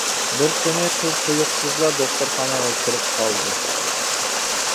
بىر كۈنى، قىز تۇيۇقسىزلا دوختۇرخانىغا كىرىپ قالدى.